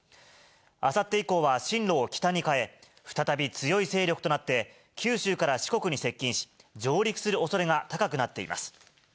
あさって以降は進路を北に変え、再び強い勢力となって、九州から四国に接近し、上陸するおそれが高くなっています。